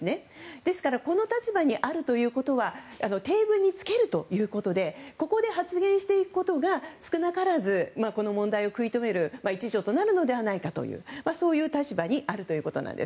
ですからこの立場にあるということはテーブルにつけるということでここで発言していくことが少なからずこの問題を食い止める一助となるのではないかというそういう立場にあるということなんです。